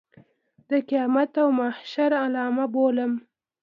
د قیامت او محشر علامه بولم.